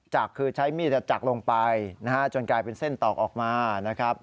คือใช้มีดจักลงไปนะฮะจนกลายเป็นเส้นตอกออกมานะครับ